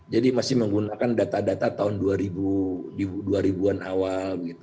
jadi masih menggunakan data data tahun dua ribu an awal